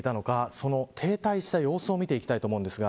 その停滞した様子を見ていきたいと思います。